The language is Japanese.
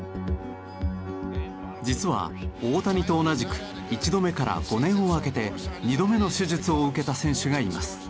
実は大谷と同じく１度目から５年を空けて２度目の手術を受けた選手がいます。